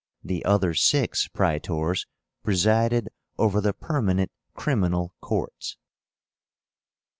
The other six Praetors presided over the permanent criminal courts.